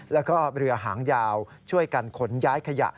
แล้วก็เรือหางยาวช่วยกันขนย้ายขยะ